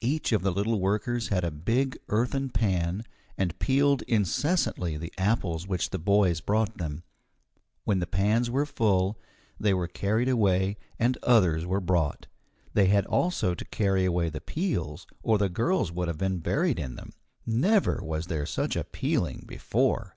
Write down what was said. Each of the little workers had a big earthen pan, and peeled incessantly the apples which the boys brought them. When the pans were full, they were carried away and others were brought. They had also to carry away the peels, or the girls would have been buried in them. Never was there such a peeling before.